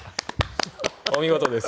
お見事です。